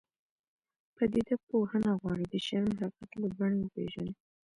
پدیده پوهنه غواړي د شیانو حقیقت له بڼې وپېژني.